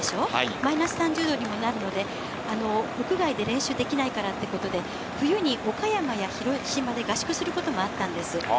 マイナス３０度にもなるので、屋外で練習できないからってことで、冬に岡山や広島で合宿することもあったんです。